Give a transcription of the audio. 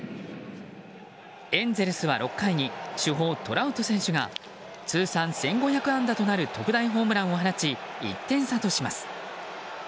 エンゼルスは６回に主砲トラウト選手が通算１５００安打となる特大ホームランを放ち１点差とします。